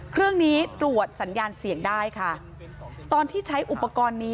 เครื่องนี้ตรวจสัญญาณเสี่ยงได้ค่ะตอนที่ใช้อุปกรณ์นี้